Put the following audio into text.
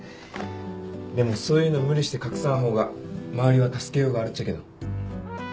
でもそういうの無理して隠さん方が周りは助けようがあるっちゃけど